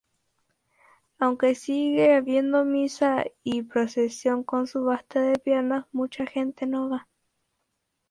Aunque sigue habiendo misa y procesión con subasta de "piernas", mucha gente no va.